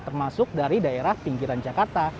termasuk dari daerah pinggiran jakarta